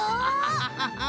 ハハハハ！